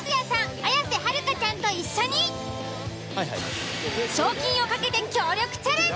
綾瀬はるかちゃんと一緒に賞金を懸けて協力チャレンジ。